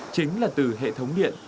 chính là từ hệ thống điện